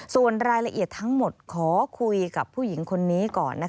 ส่วนรายละเอียดทั้งหมดขอคุยกับผู้หญิงคนนี้ก่อน